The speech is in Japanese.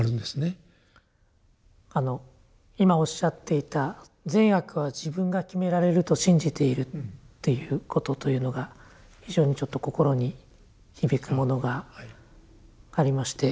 あの今おっしゃっていた善悪は自分が決められると信じているっていうことというのが非常にちょっと心に響くものがありまして。